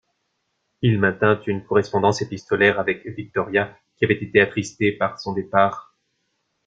Il maintint une correspondance épistolaire avec Victoria qui avait été attristée par son départ.